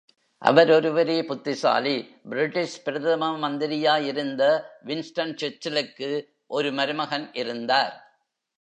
அவர் ஒருவரே புத்திசாலி பிரிட்டிஷ் பிரதம மந்திரியாயிருந்த வின்ஸ்டன் சர்ச்சிலுக்கு ஒரு மருமகன் இருந்தார்.